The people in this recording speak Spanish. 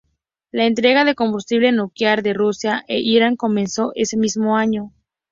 La entrega de combustible nuclear de Rusia a Irán comenzó ese mismo año.